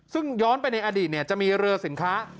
ซึ่งย้อนไปในอดีตจะมีเรือสินค้า